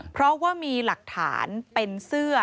เพราะว่ามีหลักฐานเป็นเสื้อ